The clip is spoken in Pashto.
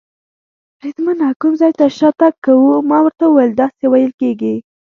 بریدمنه، کوم ځای ته شاتګ کوو؟ ما ورته وویل: داسې وېل کېږي.